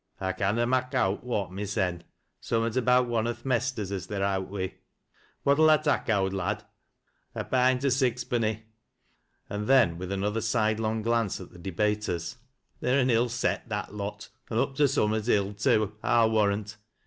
" I canna mak" out what mysen. Summat about one o' th' mesters as they're out wi'. What'U tha tak', owd lad ?" "A pint o' sixpenny." And then with another sidelong glance at the debaters :" They're an ill set, that lot, an' up to summat ill too, I'll warrant.